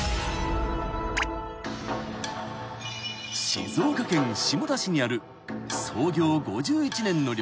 ［静岡県下田市にある創業５１年の旅館］